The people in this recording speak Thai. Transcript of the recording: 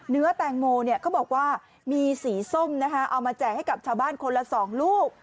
เนื้อแตงโมเนี่ยเขาบอกว่ามีสีส้มนะคะเอามาแจกให้กับชาวบ้านคนละ๒ลูก